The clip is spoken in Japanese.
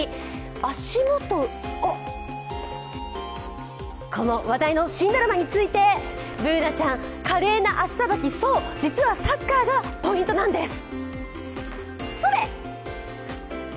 足元あっ、この話題の新ドラマについてＢｏｏｎａちゃん、華麗な足さばき、そう、実はサッカーがポイントなんです。